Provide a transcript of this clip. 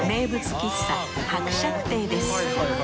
喫茶伯爵邸です。